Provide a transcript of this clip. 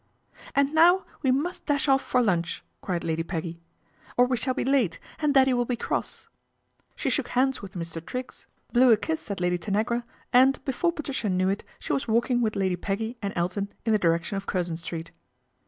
" And now we must dash off for lunch," cried ^ady Peggy, " or we shall be late and Daddy will >e cross." She shook hands with Mr. Triggs blew 252 PATRICIA BRENT, SPINSTER a kiss at Lady Tanagra and, before Patricia knev it, she was walking with Lady Peggy and Eltoi in the direction of Curzon Street.